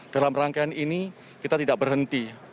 dalam rangkaian ini kita tidak berhenti